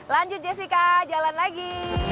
lanjut jessica jalan lagi